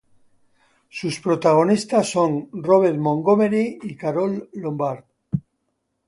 Sus protagonistas, son Robert Montgomery y Carole Lombard.